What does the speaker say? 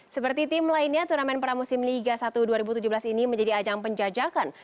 seperti tim lainnya turnamen pramusim liga satu dua ribu tujuh belas ini menjadi ajang penjajakan